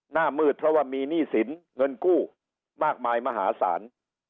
หน้ามืดเพราะว่ามีหนี้สินเงินกู้มากมายมหาศาล